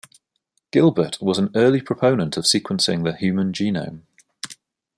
Gilbert was an early proponent of sequencing the human genome.